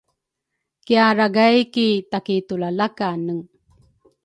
Kiaragay ki takitulalakane